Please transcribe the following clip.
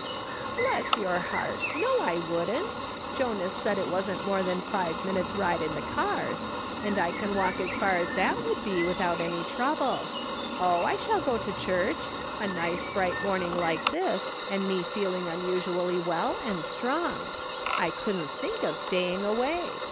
" Bless your heart ! no, I wouldn't ; Jonas said it wasn't more than five minutes' ride in the cai\s, and I can walk as far as that would be without any trouble. Oh, I shall go to church ; a nice, bright morning like this, and me feeling usually well and strong ; I couldn't think of staying av/ay